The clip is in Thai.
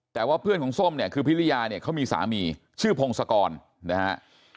แต่ว่าเพื่อนของส้มเนี่ยคือพิริยาเนี่ยเขามีสามีชื่อพงศกรนะฮะ